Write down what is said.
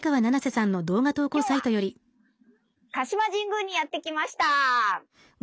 今日は鹿島神宮にやって来ました。